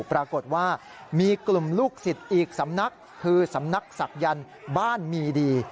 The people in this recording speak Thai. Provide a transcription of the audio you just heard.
ปรากฏว่ามีกลุ่มลูกศิษย์อีกสำนักคือสำนักศักยันต์บ้านมีดี